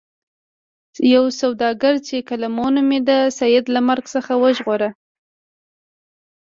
یو سوداګر چې کلوم نومیده سید له مرګ څخه وژغوره.